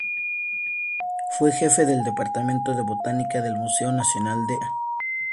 Fue jefe del Departamento de botánica del Museo Nacional de Hungría.